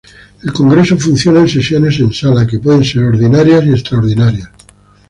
El Congreso funciona en sesiones en sala, que pueden ser: ordinarias y extraordinarias.